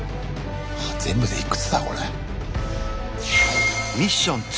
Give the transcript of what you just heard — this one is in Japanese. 全部でいくつだこれ。